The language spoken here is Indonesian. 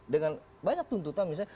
dengan banyak tuntutan misalnya